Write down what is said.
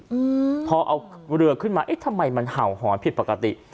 อืมพอเอาเรือขึ้นมาเอ๊ะทำไมมันเห่าหอนผิดปกติ